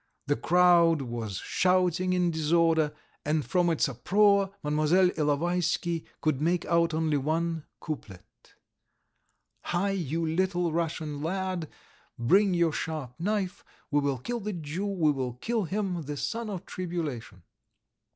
The crowd was shouting in disorder, and from its uproar Mlle. Ilovaisky could make out only one couplet: "Hi, you Little Russian lad, Bring your sharp knife, We will kill the Jew, we will kill him, The son of tribulation.